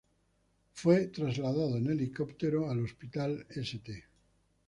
Fue trasladado en helicóptero al Hospital St.